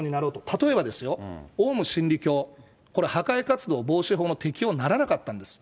例えば、オウム真理教、これ、破壊活動防止法の適用ならなかったんです。